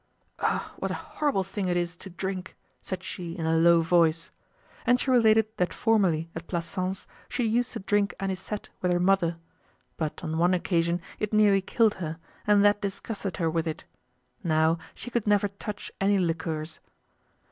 "Oh, what a horrible thing it is to drink!" said she in a low voice. And she related that formerly at Plassans she used to drink anisette with her mother. But on one occasion it nearly killed her, and that disgusted her with it; now, she could never touch any liqueurs.